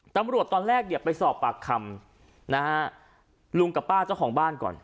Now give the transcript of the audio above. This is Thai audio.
ตอนแรกเนี่ยไปสอบปากคำนะฮะลุงกับป้าเจ้าของบ้านก่อน